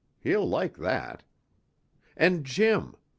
He'll like that." "And Jim.